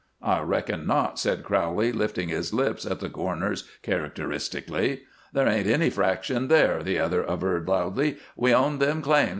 "I reckon not," said Crowley, lifting his lips at the corners characteristically. "There ain't any fraction there," the other averred, loudly. "We own them claims.